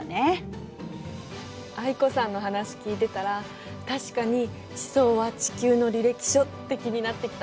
藍子さんの話聞いてたら確かに地層は地球の履歴書って気になってきた。